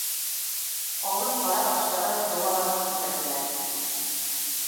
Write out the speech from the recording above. Ҡалын ҡара ҡаштары дуғаланып һикерҙеләр.